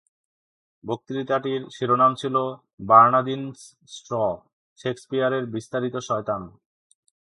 বক্তৃতাটির শিরোনাম ছিল "বার্নাদিন'স স্ট্র: শেকসপিয়রের বিস্তারিত শয়তান"।